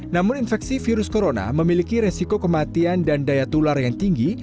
namun infeksi virus corona memiliki resiko kematian dan daya tular yang tinggi